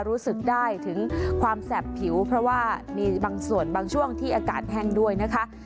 รู้สึกได้ถึงความแสบผิวเพราะว่ามีบางส่วนบางช่วงที่อากาศแห้งด้วยนะคะ